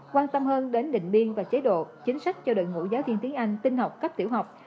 quan tâm hơn đến định biên và chế độ chính sách cho đội ngũ giáo viên tiếng anh tinh học cấp tiểu học